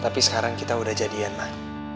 tapi sekarang kita udah jadian lah